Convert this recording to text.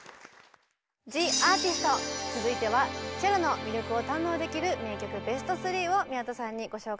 続いてはチェロの魅力を堪能できる名曲ベスト３を宮田さんにご紹介頂きます！